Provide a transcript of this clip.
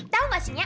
tau gak sih nya